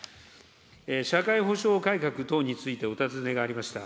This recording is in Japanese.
社会保障改革等についてお尋ねがありました。